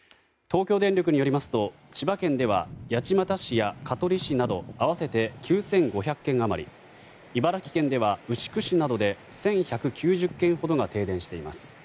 東京電力によりますと千葉県では八街市や香取市など合わせて９５００軒余り茨城県では牛久市などで１１９０軒ほどが停電しています。